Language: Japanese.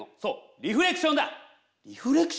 リフレクション？